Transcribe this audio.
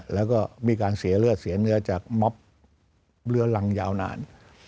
แล้วก็มีการเสียเลือดเสียเนื้อจากม็อบเรื้อรังยาวนาน